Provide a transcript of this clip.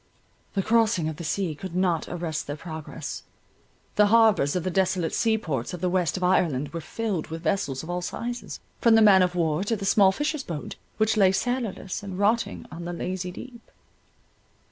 The crossing of the sea could not arrest their progress. The harbours of the desolate sea ports of the west of Ireland were filled with vessels of all sizes, from the man of war to the small fishers' boat, which lay sailorless, and rotting on the lazy deep.